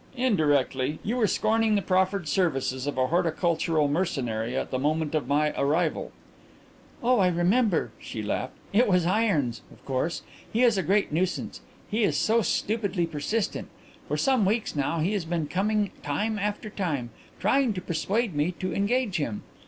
"Indirectly. You were scorning the proffered services of a horticultural mercenary at the moment of my arrival." "Oh, I remember," she laughed. "It was Irons, of course. He is a great nuisance, he is so stupidly persistent. For some weeks now he has been coming time after time, trying to persuade me to engage him.